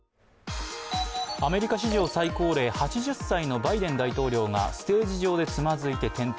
アメリカ史上最高齢、８０歳のバイデン大統領がステージ上でつまずいて転倒。